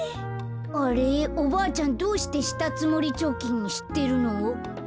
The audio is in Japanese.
あれっおばあちゃんどうしてしたつもりちょきんしってるの？